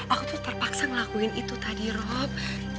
aku tuh terpaksa ngelakuin itu tadi rob